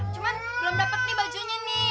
cuman belum dapet nih bajunya nih